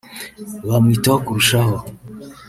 byamwitaho kurushaho